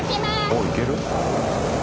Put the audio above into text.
おいける？